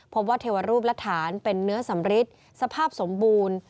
พบว่าเทวรูปและฐานเป็นเนื้อสำริทสภาพสมบูรณ์